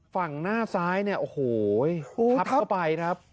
ฝั่งหน้าซ้ายเนี่ยโอ้โหทับเข้าไปครับ